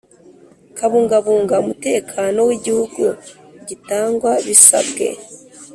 kubungabunga umutekano w Igihugu gitangwa bisabwe